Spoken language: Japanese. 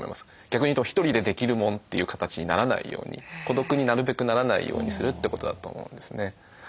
逆に言うと「１人でできるもん」という形にならないように孤独になるべくならないようにするってことだと思うんですね。